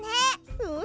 うん！